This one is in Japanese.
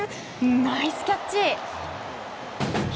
ナイスキャッチ！